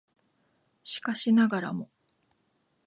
しかしながらも